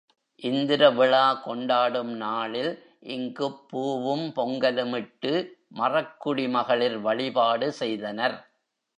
இந்திர விழா கொண்டாடும் நாளில் இங்குப் பூவும் பொங்கலும் இட்டு மறக்குடி மகளிர் வழிபாடு செய்தனர்.